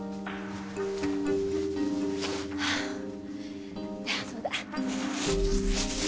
あっそうだ。